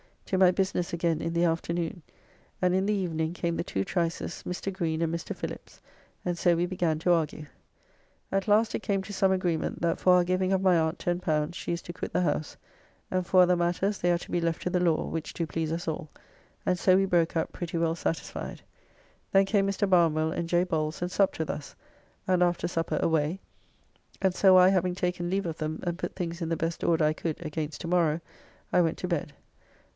To my business again in the afternoon, and in the evening came the two Trices, Mr. Greene, and Mr. Philips, and so we began to argue. At last it came to some agreement that for our giving of my aunt L10 she is to quit the house, and for other matters they are to be left to the law, which do please us all, and so we broke up, pretty well satisfyed. Then came Mr. Barnwell and J. Bowles and supped with us, and after supper away, and so I having taken leave of them and put things in the best order I could against to morrow I went to bed.